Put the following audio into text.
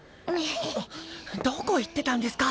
どこ行ってたんですか？